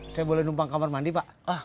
saya boleh numpang kamar mandi pak